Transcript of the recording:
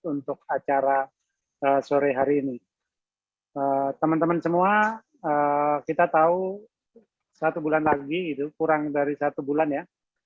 untuk acara sore hari ini teman teman semua kita tahu satu bulan lagi kurang dari satu bulan ya